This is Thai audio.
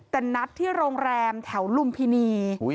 แต่นัดที่โรงแรมแถวลุมพินี